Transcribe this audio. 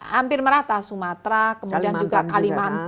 hampir merata sumatera kemudian juga kalimantan